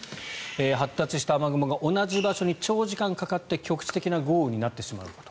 発達した雨雲が同じ場所に長時間かかって局地的な豪雨になってしまうと。